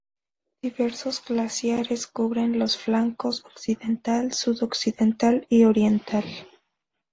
Diversos glaciares cubren los flancos occidental, sudoccidental y oriental.